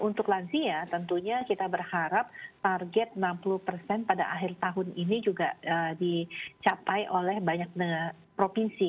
untuk lansia tentunya kita berharap target enam puluh persen pada akhir tahun ini juga dicapai oleh banyak provinsi